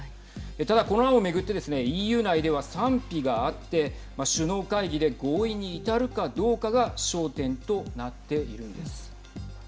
ただ、この案をめぐってですねＥＵ内では賛否があって首脳会議で合意に至るかどうかが焦点となっているんです。